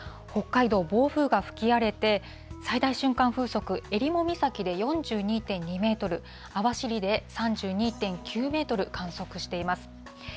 北海道、暴風が吹き荒れて、最大瞬間風速、えりも岬で４２．２メートル、網走で３２．９メートル観測しています。